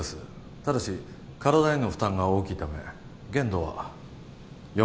ただし体への負担が大きいため限度は４回まで